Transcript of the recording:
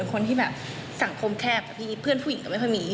ออกไปไหนก็ไม่ให้ออก